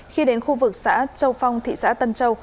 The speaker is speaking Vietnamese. khi đến khu vực xã châu phong thị xã tân châu